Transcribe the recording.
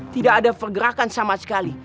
tidak ada pergerakan sama sekali